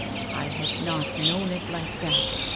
" I had not known it like that.